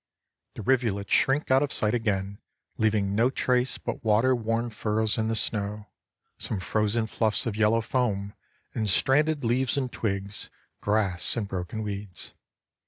The rivulets shrink out of sight again, leaving no trace but water worn furrows in the snow, some frozen fluffs of yellow foam and stranded leaves and twigs, grass and broken weeds.